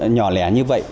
nhỏ lẻ như vậy